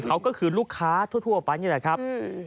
เขาก็คือลูกค้าทั่วไปนี่แหละครับ